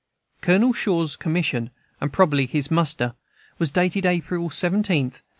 Colonel Shaw's commission (and probably his muster) was dated April 17, 1863.